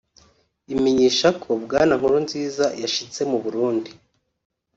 bimenyesha ko bwana Nkurunziza yashitse mu Burundi